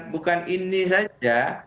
bukan ini saja